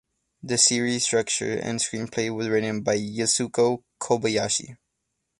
The series structure and screenplay was written by Yasuko Kobayashi.